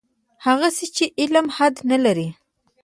هغسې چې علم حد نه لري.